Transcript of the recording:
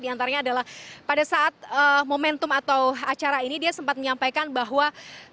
di antaranya adalah pada saat momentum atau acara ini dia sempat menyampaikan bahwa